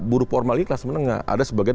buru formal ini kelas menengah ada sebagian